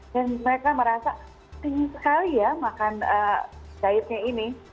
dan mereka merasa penyakit sekali ya makan dietnya ini